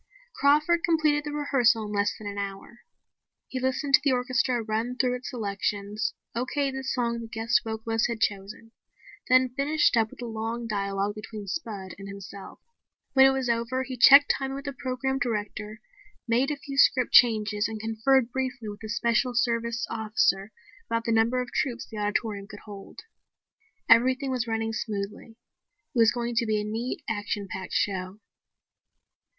Crawford completed the rehearsal in less than an hour. He listened to the orchestra run through its selections, okayed the song the guest vocalist had chosen, then finished up with a long dialogue between Spud and himself. When it was over he checked timing with the program director, made a few script changes and conferred briefly with a Special Service Officer about the number of troops the auditorium could hold. Everything was running smoothly. It was going to be a neat, action packed show.